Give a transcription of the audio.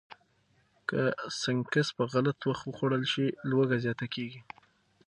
که سنکس په غلط وخت وخوړل شي، لوږه زیاته کېږي.